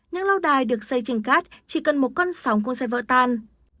những lau đài được xây trên cát chỉ cần một con sóng không sẽ vỡ tan